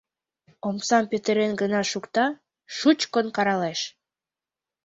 Омсам петырен гына шукта, шучкын каралеш: